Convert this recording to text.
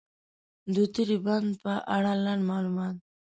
د توری بند په اړه لنډ معلومات: